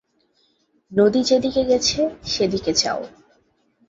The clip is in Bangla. নদী যেদিকে গেছে সেদিকে যাও।